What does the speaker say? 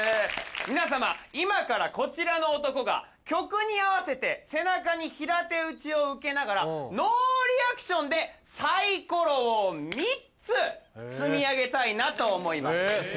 皆様今からこちらの男が曲に合わせて背中に平手打ちを受けながらノーリアクションでサイコロを３つ積み上げたいなと思います。